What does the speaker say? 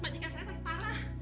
manjikan saya sakit parah